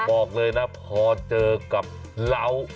บอกเลยนะพอเจอกับเหล้า